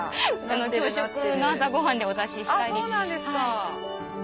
朝食の朝ご飯でお出ししたり。